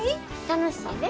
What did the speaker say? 楽しいで。